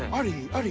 あり？